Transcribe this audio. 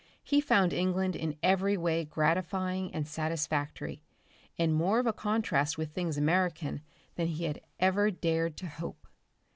He found England in every way gratifying and satisfactory, and more of a contrast with things American than he had ever dared to hope.